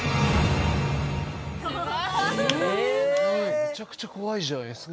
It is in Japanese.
めちゃくちゃ怖いじゃないですか。